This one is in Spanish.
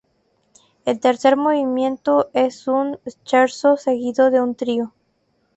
El tercer movimiento es un "scherzo" seguido de un trío.